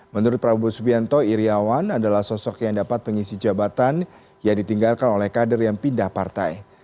menurut prabowo subianto iryawan adalah sosok yang dapat mengisi jabatan yang ditinggalkan oleh kader yang pindah partai